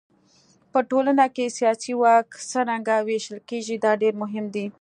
په ټولنه کې سیاسي واک څرنګه وېشل کېږي دا ډېر مهم دی.